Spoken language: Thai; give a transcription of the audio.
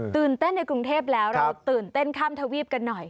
เต้นในกรุงเทพแล้วเราตื่นเต้นข้ามทวีปกันหน่อย